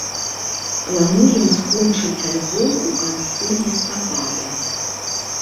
Плануем скончыць альбом у канцы лістапада.